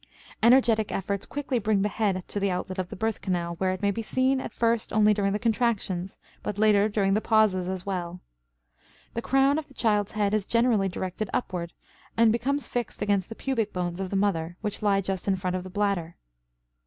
Energetic efforts quickly bring the head to the outlet of the birth canal, where it may be seen, at first only during the contractions, but later during the pauses as well. The crown of the child's head is generally directed upward and becomes fixed against the pubic bones of the mother, which lie just in front of the bladder.